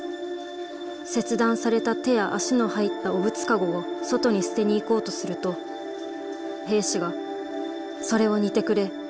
切断された手や足の入った汚物籠を外に捨てに行こうとすると兵士が『それを煮てくれ。